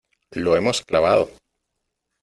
¡ lo hemos clavado !